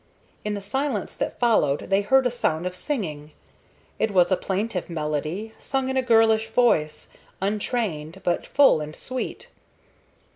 In the silence that followed they heard a sound of singing. It was a plaintive melody, sung in a girlish voice, untrained, but full and sweet.